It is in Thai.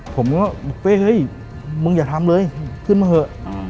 ผมก็เป้เฮ้ยมึงอย่าทำเลยขึ้นมาเถอะ